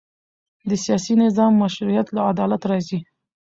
د سیاسي نظام مشروعیت له عدالت راځي